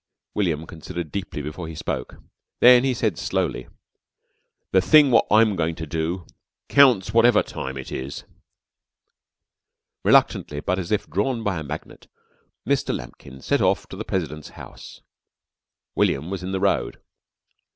William considered deeply before he spoke, then he said slowly: "The thing what I'm going to do counts whatever time it is." Reluctantly, but as if drawn by a magnet, Mr. Lambkin set off to the President's house. William was in the road.